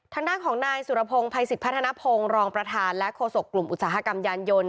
ทางด้านของนายสุรพงศ์ภัยสิทธิพัฒนภงรองประธานและโฆษกกลุ่มอุตสาหกรรมยานยนต์